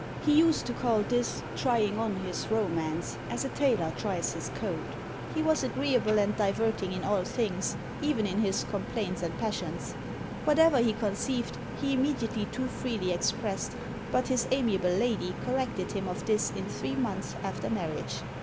He used to call this trying on his romance, as a tailor tries his coat. He was agreeable and diverting in all things, even in his complaints and passions. Whatever he conceived he immediately too freely expressed; but his amiable lady corrected him of this in three months after marriage.